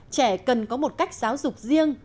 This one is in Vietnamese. trẻ cần có một cách giáo dục riêng